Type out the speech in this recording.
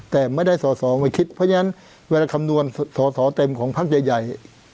แต่ไม่ได้สอสอมาคิดเพราะฉะนั้นเวลาคำนวณสอสอเต็มของพักใหญ่